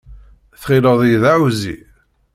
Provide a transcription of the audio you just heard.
Tɣilleḍ-iyi d ahuẓẓi?